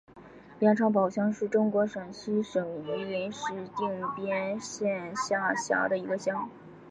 盐场堡乡是中国陕西省榆林市定边县下辖的一个乡。